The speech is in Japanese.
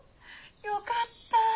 よかった！